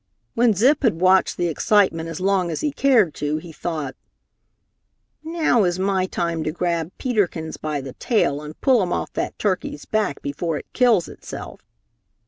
When Zip had watched the excitement as long as he cared to, he thought, "Now is my time to grab Peter Kins by the tail and pull him off that turkey's back before it kills itself."